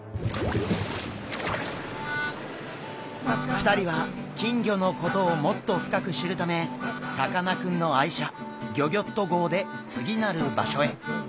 ２人は金魚のことをもっと深く知るためさかなクンの愛車ギョギョッと号で次なる場所へ。